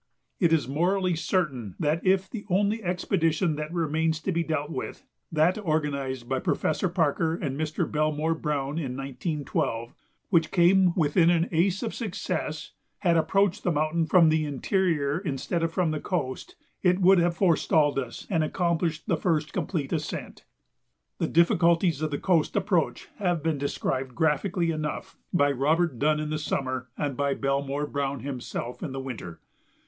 It is morally certain that if the only expedition that remains to be dealt with that organized by Professor Parker and Mr. Belmore Browne in 1912, which came within an ace of success had approached the mountain from the interior instead of from the coast, it would have forestalled us and accomplished the first complete ascent. The difficulties of the coast approach have been described graphically enough by Robert Dunn in the summer and by Belmore Browne himself in the winter.